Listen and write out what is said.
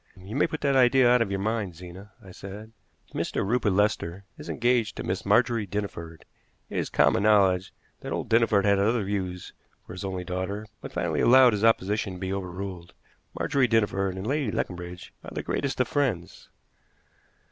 "You may put that idea out of your mind, Zena," I said. "Mr. Rupert Lester is engaged to Miss Margery Dinneford. It is common knowledge that old Dinneford had other views for his only daughter, but finally allowed his opposition to be overruled. Margery Dinneford and Lady Leconbridge are the greatest of friends."